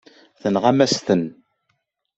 Tenɣam-as-ten.